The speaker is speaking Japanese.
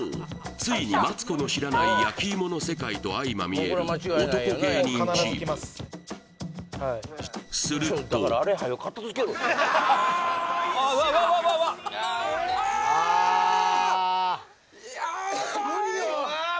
ついに「マツコの知らない」「焼き芋の世界」とあいまみえる男芸人チームするとあーっあっあーっ！